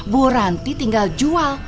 bu ranti tinggal jual